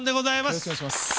よろしくお願いします。